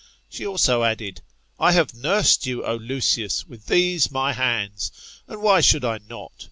She also added, I have nursed you, O Lucius, with these my hands. And why should I not